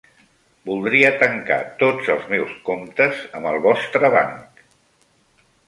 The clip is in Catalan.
Voldria tancar tots els meus comptes amb el vostre banc.